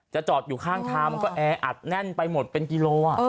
จอดอยู่ข้างทางมันก็แออัดแน่นไปหมดเป็นกิโล